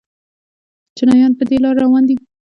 چینایان په دې لار روان دي.